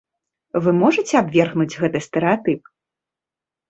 Вы можаце абвергнуць гэты стэрэатып?